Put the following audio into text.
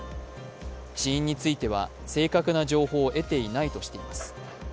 死因については正確な情報を得ていないとしています。